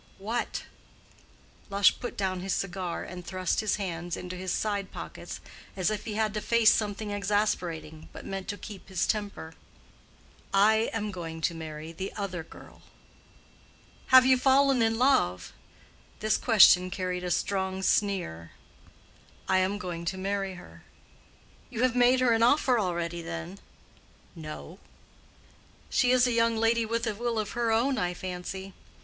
"What?" Lush put down his cigar and thrust his hands into his side pockets, as if he had to face something exasperating, but meant to keep his temper. "I am going to marry the other girl." "Have you fallen in love?" This question carried a strong sneer. "I am going to marry her." "You have made her an offer already, then?" "No." "She is a young lady with a will of her own, I fancy.